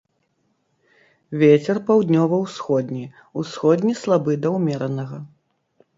Вецер паўднёва-ўсходні, усходні слабы да ўмеранага.